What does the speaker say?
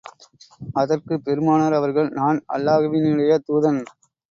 அதற்குப் பெருமானார் அவர்கள், நான் அல்லாஹவினுடைய தூதன்.